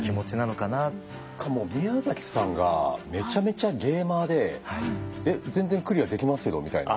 それかもう宮崎さんがめちゃめちゃゲーマーでえ全然クリアーできますけどみたいな。